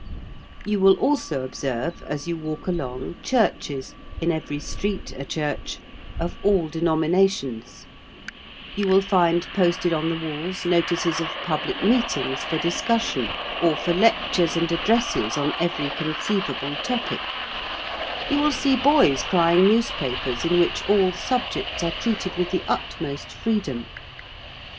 You will also observe, as you walk along, churches in every street, a church of all denominations: you will find posted on the walls notices of public meetings for discussion or for lectures and addresses on every conceivable topic: you will see boys crying newspapers in which all subjects are treated with the utmost freedom.